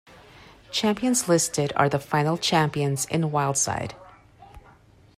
Champions listed are the final champions in Wildside.